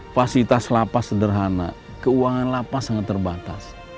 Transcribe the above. fasilitas lapas sederhana keuangan lapas sangat terbatas